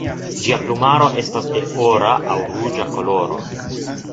Ĝia plumaro estis de ora aŭ ruĝa koloro.